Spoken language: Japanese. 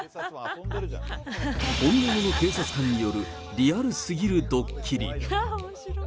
本物の警察官によるリアルすぎるどっきり。